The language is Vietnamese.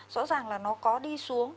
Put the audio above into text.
rõ ràng là nó có đi xuống